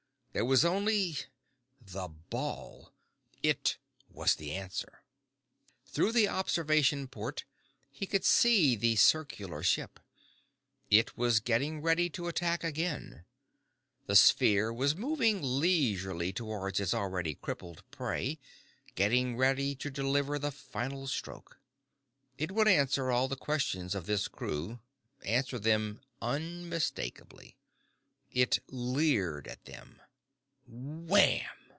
There was only the ball! It was the answer. Through the observation port, he could see the circular ship. It was getting ready to attack again. The sphere was moving leisurely toward its already crippled prey, getting ready to deliver the final stroke. It would answer all questions of this crew, answer them unmistakably. It leered at them. _Wham!